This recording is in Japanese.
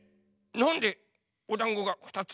なんでおだんごがふたつ？